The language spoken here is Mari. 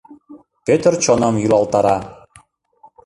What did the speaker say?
Пӧтыр чоным йӱлалтара.